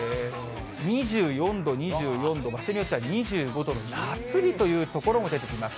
２４度、２４度、場所によっては２５度の夏日という所も出てきます。